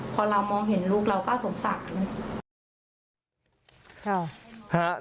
พอเรามองเห็นลูกเราก็สงสาร